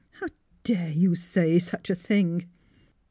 How dare you say such a thing!